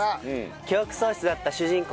記憶喪失だった主人公